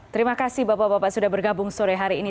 terima kasih bapak bapak sudah bergabung sore hari ini